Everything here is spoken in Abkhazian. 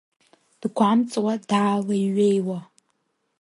Дгәамҵуа даалеиҩеиуа.